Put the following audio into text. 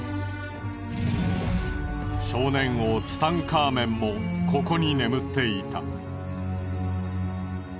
少年王ツタンカーメンもここに眠っていた。